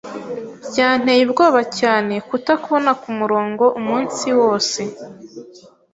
Byanteye ubwoba cyane kutakubona kumurongo umunsi wose.